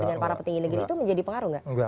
dengan para petinggi negeri itu menjadi pengaruh nggak